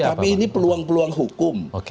tapi ini peluang peluang hukum